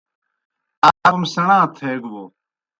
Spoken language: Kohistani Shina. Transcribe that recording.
آ کوْم سیْݨا تھیگہ بوْ